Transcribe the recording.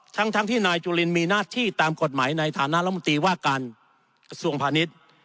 ทั้งที่นายจุลินมีหน้าที่ตามกฎหมายในฐานะรัฐมนตรีว่าการกระทรวงพาณิชย์